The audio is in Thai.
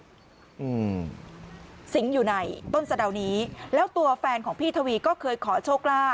อืมสิงห์อยู่ในต้นสะดาวนี้แล้วตัวแฟนของพี่ทวีก็เคยขอโชคลาภ